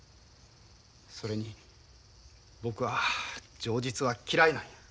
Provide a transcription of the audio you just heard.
それに僕は情実は嫌いなんや。